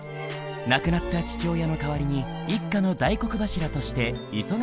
亡くなった父親の代わりに一家の大黒柱として忙しい日々を送っていた。